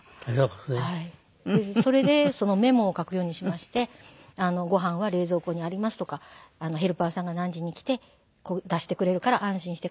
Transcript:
それでメモを書くようにしまして「ご飯は冷蔵庫にあります」とか「ヘルパーさんが何時に来て出してくれるから安心してください」